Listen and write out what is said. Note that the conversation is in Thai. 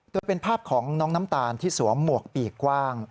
โดยเป็นภาพของน้องน้ำตาลที่สวมหมวกปีกกว้าง